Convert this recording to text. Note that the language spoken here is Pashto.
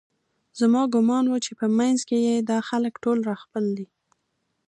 زما ګومان و چې په منځ کې یې دا خلک ټول راخپل دي